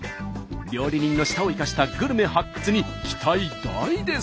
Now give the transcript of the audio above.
料理人の舌を生かしたグルメ発掘に期待大です！